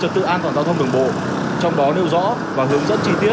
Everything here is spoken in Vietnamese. trật tự an toàn giao thông đường bộ trong đó nêu rõ và hướng dẫn chi tiết